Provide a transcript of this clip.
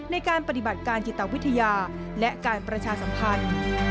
ในการปฏิบัติการจิตวิทยาและการประชาสัมพันธ์